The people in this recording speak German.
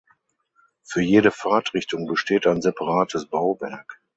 Für jede Fahrtrichtung besteht ein separates Bauwerk.